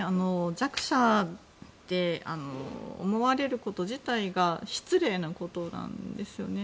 弱者って思われること自体が失礼なことなんですよね。